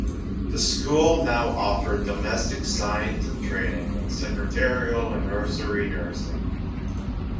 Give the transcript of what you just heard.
The school now offered domestic science and training in secretarial and nursery nursing.